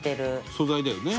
素材だよね。